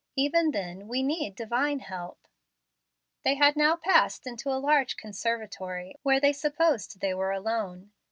Even then we need Divine help." They had now passed into a large conservatory, where they supposed they were alone.